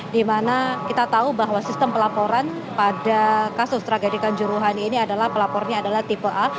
dimana kita tahu bahwa sistem pelaporan pada kasus tragedikan juruhan ini adalah pelapornya adalah tipe a